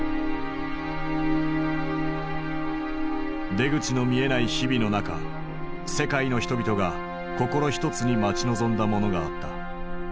出口の見えない日々の中世界の人々が心ひとつに待ち望んだものがあった。